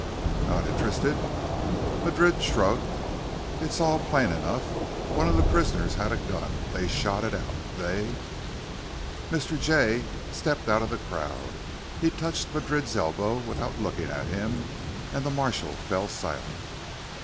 "Not interested?" Madrid shrugged. "It's all plain enough. One of the prisoners had a gun. They shot it out. They " Mr. Jay stepped out of the crowd. He touched Madrid's elbow without looking at him, and the marshal fell silent.